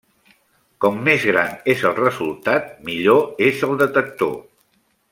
Com més gran és el resultat, millor és el detector.